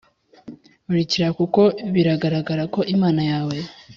urkira kuko biragaragara ko imana yawe